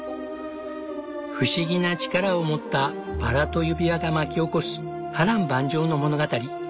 不思議な力を持ったバラと指輪が巻き起こす波乱万丈の物語。